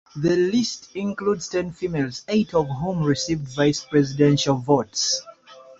This list includes ten females, eight of whom received vice presidential votes.